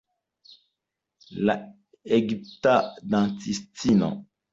La egipta dancistino.